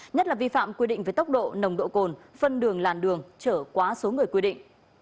nhất là vi phạm quy định về tốc độ nồng độ cồn phân đường làn đường trở quá số người quy định